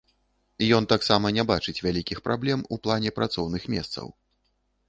Ён таксама не бачыць вялікіх праблем у плане працоўных месцаў.